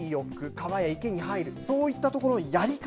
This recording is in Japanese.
川や池に入るそういった所のやり方